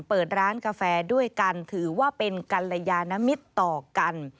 เปิดร้านกาแฟด้วยกันถือว่าเป็นกัลยานมิตรต่อกัน